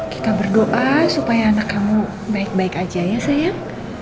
kita berdoa supaya anak kamu baik baik aja ya sayang